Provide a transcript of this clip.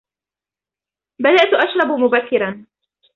بدأت أشرب مبكّرا.